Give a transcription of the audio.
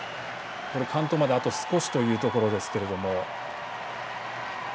完登まであと少しというところですけども。